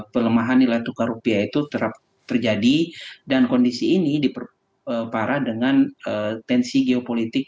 pelemahan nilai tukar rupiah itu terjadi dan kondisi ini diperparah dengan tensi geopolitik